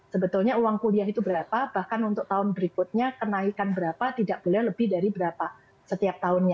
sebetulnya uang kuliah itu berapa bahkan untuk tahun berikutnya kenaikan berapa tidak boleh lebih dari berapa setiap tahunnya